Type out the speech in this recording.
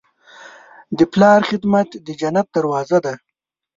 د پلار خدمت د جنت دروازه ده.